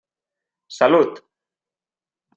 Salut!